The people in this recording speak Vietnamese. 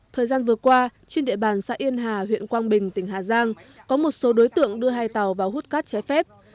thời gian vừa qua trên địa bàn xã yên hà huyện quang bình tỉnh hà giang có một số đối tượng đưa hai tàu vào hút cát trái phép